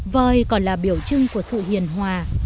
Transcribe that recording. voi còn là biểu trưng của sự hiền hòa